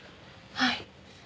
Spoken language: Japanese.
はい。